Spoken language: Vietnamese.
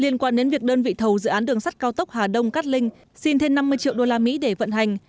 liên quan đến việc đơn vị thầu dự án đường sắt cao tốc hà đông cát linh xin thêm năm mươi triệu đô la mỹ để vận hành